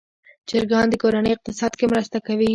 چرګان د کورنۍ اقتصاد کې مرسته کوي.